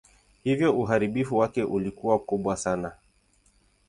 Hivyo uharibifu wake ulikuwa kubwa zaidi.